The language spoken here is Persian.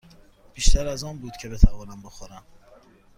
بیشتر از آن بود که بتوانم بخورم.